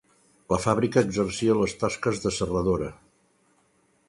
La fàbrica exercia les tasques de serradora.